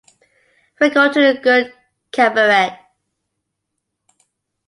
We'll go to a good cabaret.